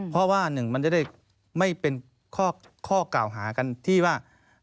เพราะว่าหนึ่งมันจะได้ไม่เป็นข้อกล่าวหากันที่ว่า